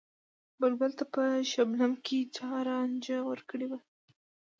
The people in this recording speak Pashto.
بلبل ته په شبنم کــــې چا رانجه ور کـــړي وو